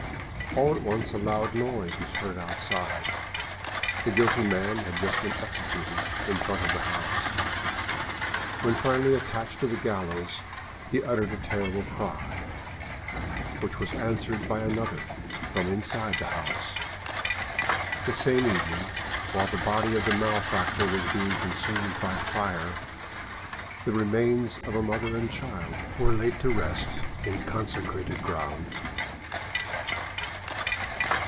All at once a loud noise was heard outside: the guilty man had just been executed in front of the house. When finally attached to the gallows, he uttered a terrible cry, which was answered by another from inside the house. The same evening, while the body of the malefactor was being consumed by fire, the remains of a mother and child were laid to rest in consecrated ground.